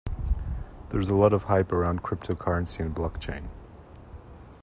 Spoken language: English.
There is a lot of hype around cryptocurrency and block-chain.